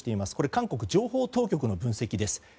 韓国情報当局の分析です。